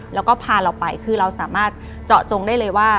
แล้วก็พาเราไปคือเราสามารถเจาะจงได้เลยว่า